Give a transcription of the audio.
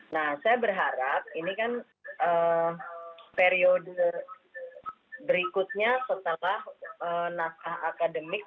nah saya berharap ini kan periode berikutnya setelah naskah akademik